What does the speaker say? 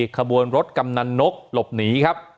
ขบวนรถกำนันนกหลบหนีครับ